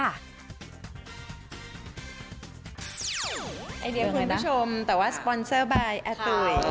ไอเดียคุณผู้ชมแต่ว่าสปอนเซอร์บายอาตุ๋ย